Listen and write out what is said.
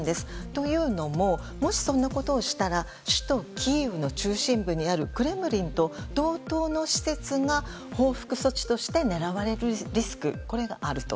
というのももし、そんなことをしたら首都キーウの中心部にあるクレムリンと同等の施設が報復措置として狙われるリスクがあると。